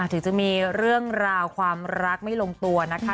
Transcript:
ถึงจะมีเรื่องราวความรักไม่ลงตัวนะคะ